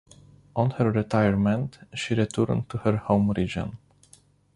On her retirement she returned to her home region.